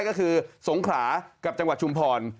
ก็คือสงขลากับจังหวัดชุมพร